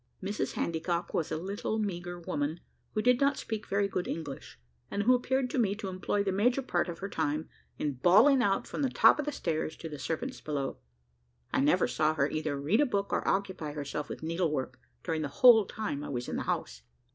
Mrs Handycock was a little meagre woman, who did not speak very good English, and who appeared to me to employ the major part of her time in bawling out from the top of the stairs to the servants below. I never saw her either read a book or occupy herself with needlework, during the whole time I was in the house.